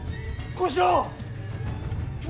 小四郎！